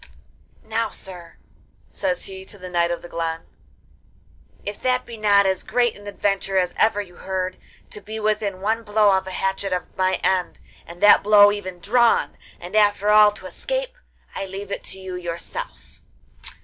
'Now, sir,' says he to the Knight of the Glen, 'if that be not as great an adventure as ever you heard, to be within one blow of a hatchet of my end, and that blow even drawn, and after all to escape, I leave it to yourself.